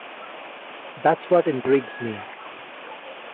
That's what intrigues me.